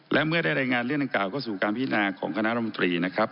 และเมื่อได้รายงานเรื่องดังกล่าเข้าสู่การพินาของคณะรมตรีนะครับ